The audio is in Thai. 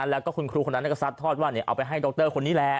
แล้วก็คุณครูคนนั้นก็ซัดทอดว่าเอาไปให้ดรคนนี้แหละ